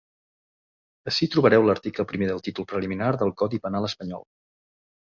Ací trobareu l’article primer del títol preliminar del codi penal espanyol.